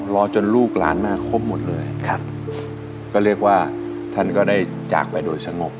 รอจนลูกหลานมาครบหมดเลยครับก็เรียกว่าท่านก็ได้จากไปโดยสงบ